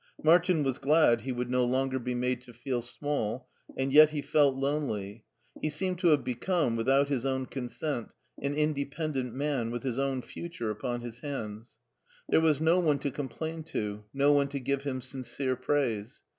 Martin was glad he would no HEIDELBERG 77 longer be made to feel small, and yet he felt lonely. He seemed to have become, without his own ccmsent, an independent man with his own future upon his hands. There was no one to complain to, no one to give him sincere praise.